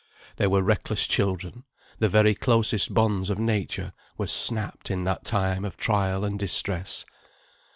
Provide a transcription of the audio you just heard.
there were reckless children; the very closest bonds of nature were snapt in that time of trial and distress.